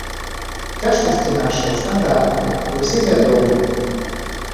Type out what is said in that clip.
Цяжкасці нашыя стандартныя і ўсім вядомыя.